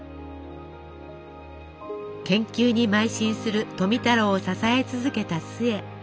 研究にまい進する富太郎を支え続けた壽衛。